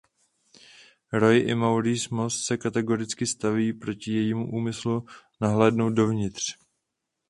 Roy i Maurice Moss se kategoricky staví proti jejímu úmyslu nahlédnout dovnitř.